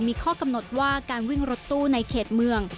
มีข้อกำหนดว่าการวิ่งรถตู้ในเขตเมือง